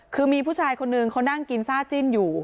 คือมีผู้ชายคนนึงเขานั่งกินซ่าจิ้นอยู่